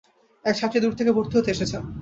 এক ছাত্রী দূর থেকে ভর্তি হতে এসেছেন।